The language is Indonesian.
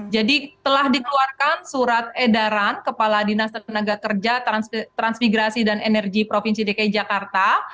jadi telah dikeluarkan surat edaran kepala dinas tenaga kerja transpigrasi dan energi provinsi dki jakarta